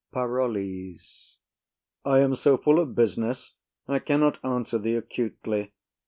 PAROLLES. I am so full of business I cannot answer thee acutely.